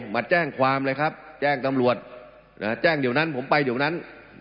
มาแจ้งความเลยครับแจ้งตำรวจแจ้งเดี๋ยวนั้นผมไปเดี๋ยวนั้น